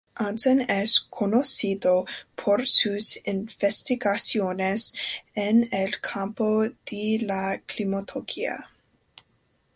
Hansen es conocido por sus investigaciones en el campo de la climatología.